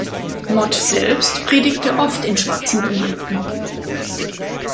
Mott selbst predigte oft in schwarzen Gemeinden.